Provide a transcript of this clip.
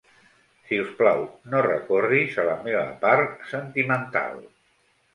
Si us plau, no recorris a la meva part sentimental.